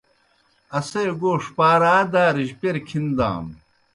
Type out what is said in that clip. اسے گوݜ پار آ دارِجیْ پیر کِھن دانوْ۔